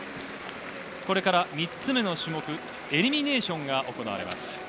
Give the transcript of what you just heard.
これから３つ目の種目、エリミネイションが行われます。